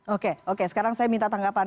oke oke sekarang saya minta tanggapan